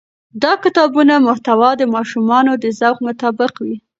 د کتابونو محتوا د ماشومانو د ذوق مطابق وي.